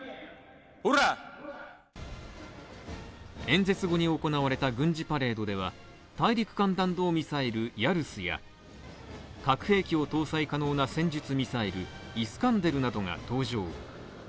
演説後に行われた軍事パレードでは大陸間弾道ミサイル・ヤルスや核兵器を搭載可能な戦術ミサイル・イスカンデルなどが登場。